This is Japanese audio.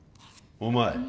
お前